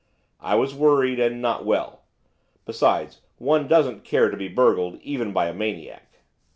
'I was worried, and not well. Besides, one doesn't care to be burgled, even by a maniac.